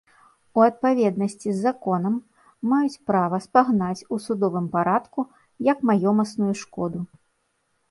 У адпаведнасці з законам маюць права спагнаць у судовым парадку як маёмасную шкоду.